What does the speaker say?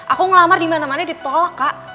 aku ngelamar dimana mana ditolak kak